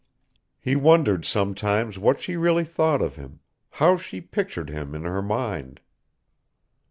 He wondered sometimes what she really thought of him, how she pictured him in her mind.